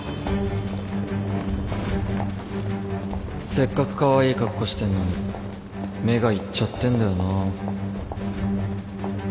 せっかくカワイイ格好してんのに目がいっちゃってんだよなぁ